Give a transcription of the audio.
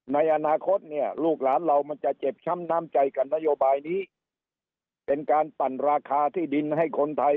ในอนาคตเนี่ยลูกหลานเรามันจะเจ็บช้ำน้ำใจกับนโยบายนี้เป็นการปั่นราคาที่ดินให้คนไทย